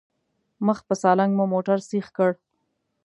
مخ په سالنګ مو موټر سيخ کړ.